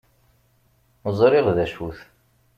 Zṛiɣ d acu-t.